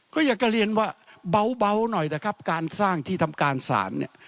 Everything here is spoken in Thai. ก็อยากจะเรียนว่าเบาหน่อยนะครับการสร้างที่ทำการศาลเนี่ย